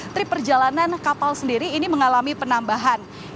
trip perjalanan kapal sendiri ini mengalami penambahan